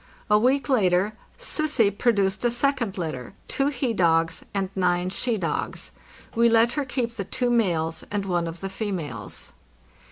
A week later " Sussi'' produced a second litter, two he dogs and nine she dogs. We let her keep the two males and one of the females.